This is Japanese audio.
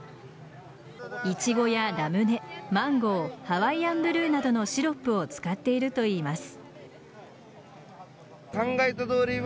イチゴやラムネマンゴーハワイアンブルーなどのシロップを使っているといいます。